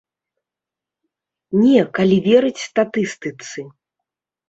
Не, калі верыць статыстыцы.